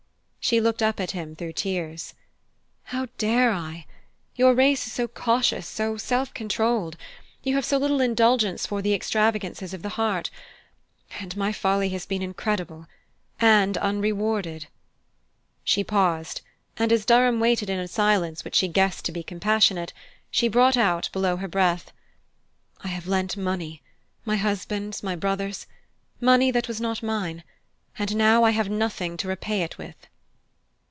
She looked up at him through tears. "How dare I? Your race is so cautious, so self controlled you have so little indulgence for the extravagances of the heart. And my folly has been incredible and unrewarded." She paused, and as Durham waited in a silence which she guessed to be compassionate, she brought out below her breath: "I have lent money my husband's, my brother's money that was not mine, and now I have nothing to repay it with."